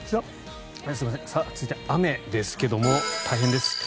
続いては雨ですけども大変です。